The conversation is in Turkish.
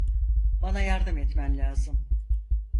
Bana yardım etmen lazım.